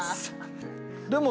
でも。